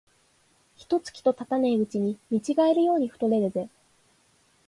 一と月とたたねえうちに見違えるように太れるぜ